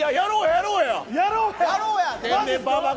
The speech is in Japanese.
「やろうや」？